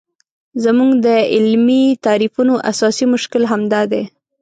زموږ د علمي تعریفونو اساسي مشکل همدا دی.